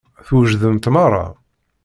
Twejdemt meṛṛa.